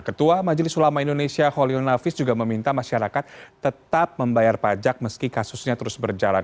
ketua majelis ulama indonesia holil nafis juga meminta masyarakat tetap membayar pajak meski kasusnya terus berjalan